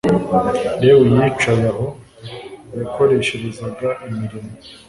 lewi yicaye aho yakoresherezaga imirimo